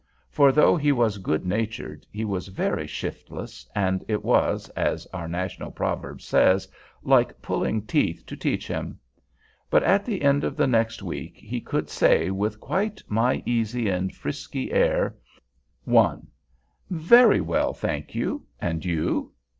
For though he was good natured, he was very shiftless, and it was, as our national proverb says, "like pulling teeth" to teach him. But at the end of the next week he could say, with quite my easy and frisky air: 1. "Very well, thank you. And you?"